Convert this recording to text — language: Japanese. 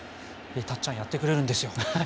たっちゃんやってくれるんですよ。